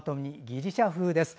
ギリシャ風です。